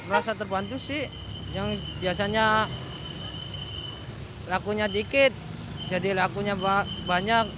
rasa terbantu sih yang biasanya lakunya dikit jadi lakunya banyak